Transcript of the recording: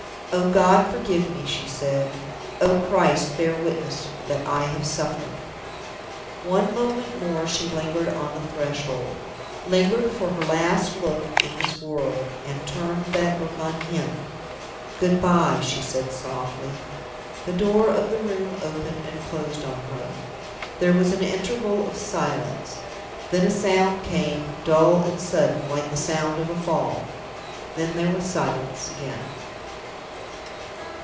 "Oh, God, forgive me!" she said. "Oh, Christ, bear witness that I have suffered!" One moment more she lingered on the threshold; lingered for her last look in this world and turned that look on him. "Good by!" she said, softly. The door of the room opened, and closed on her. There was an interval of silence. Then a sound came dull and sudden, like the sound of a fall. Then there was silence again.